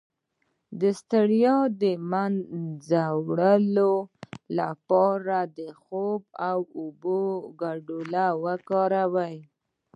د ستړیا د مینځلو لپاره د خوب او اوبو ګډول وکاروئ